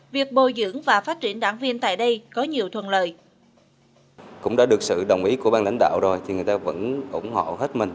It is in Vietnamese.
việc bồi dưỡng và phát triển đảng viên tại đây có nhiều thuận lợi